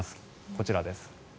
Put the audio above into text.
こちらです。